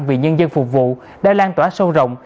vì nhân dân phục vụ đã lan tỏa sâu rộng